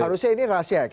harusnya ini rahasia ya